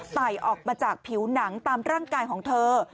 ใส่ออกมาจากผิวหนังตามร่างกายของเธอ